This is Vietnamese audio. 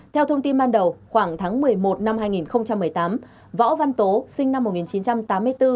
theo thông tin ban đầu khoảng tháng một mươi một năm hai nghìn một mươi tám võ văn tố sinh năm một nghìn chín trăm tám mươi bốn